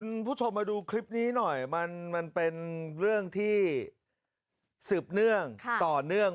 คุณผู้ชมมาดูคลิปนี้หน่อยมันเป็นเรื่องที่สืบเนื่องต่อเนื่อง